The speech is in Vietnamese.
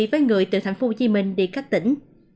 với người từ tp hcm đi các tỉnh